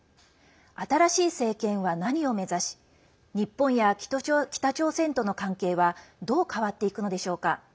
新しい政権は何を目指し日本や北朝鮮との関係はどう変わっていくのでしょうか。